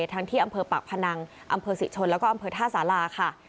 ทั้งที่อำเภอปากพนังอำเภอศรีชนแล้วก็อำเภอท่าสาราค่ะ